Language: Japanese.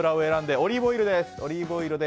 オリーブオイルか？